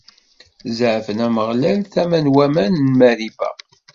Zeɛfen Ameɣlal tama n waman n Mariba.